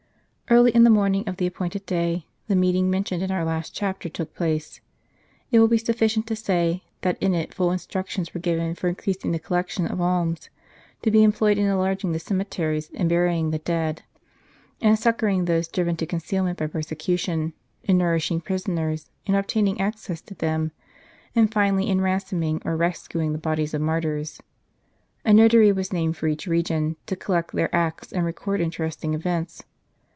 Early in the morning of the appointed day, the meeting mentioned in our last chajDter took place. It will be sufficient to say, that in it full instructions were given for increasing the collection of alms, to be employed in enlarging the cemeteries and bui ying the dead, in succoring those driven to conceal ment by persecution, in nourishing prisoners, and obtaining access to them, and finally in ransoming or rescuing the bodies of martyrs. A notary was named for each region, to collect their acts and record interesting events.